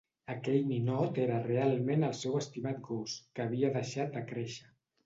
Aquell ninot era realment el seu estimat gos que havia deixat de créixer.